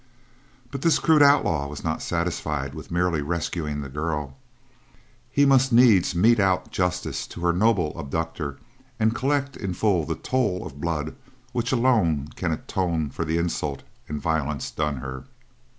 "But this crude outlaw was not satisfied with merely rescuing the girl, he must needs mete out justice to her noble abductor and collect in full the toll of blood which alone can atone for the insult and violence done her.